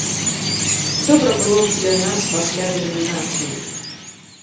Добра было б для нас пасля дэнамінацыі!